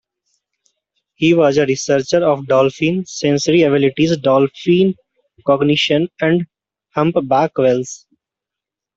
He was a researcher of dolphin sensory abilities, dolphin cognition, and humpback whales.